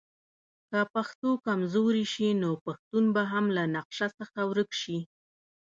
که پښتو کمزورې شي نو پښتون به هم له نقشه څخه ورک شي.